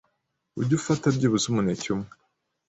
ujye ufata byibuza umuneke umwe